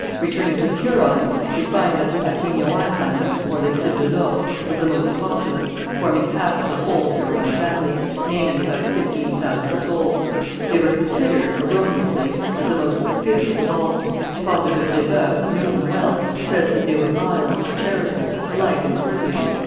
Returning to the Hurons, we find that the Attignaouantans, or the tribe de l'Ours, was the most populous, forming half of the whole Huron family, namely about fifteen thousand souls. They were considered, erroneously, as the most perfidious of all. Father de Brébeuf, who knew them well, says that they were mild, charitable, polite and courteous.